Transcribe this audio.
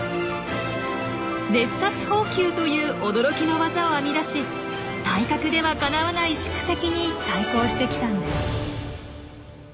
熱殺蜂球という驚きの技を編み出し体格ではかなわない宿敵に対抗してきたんです。